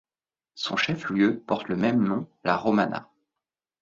Son chef-lieu porte le même nom La Romana.